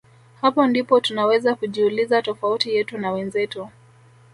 Hapo ndipo tunaweza kujiuliza tofauti yetu na wenzetu